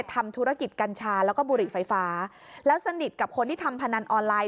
ทำธุรกิจกัญชาแล้วก็บุหรี่ไฟฟ้าแล้วสนิทกับคนที่ทำพนันออนไลน